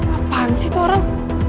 apaan sih itu orang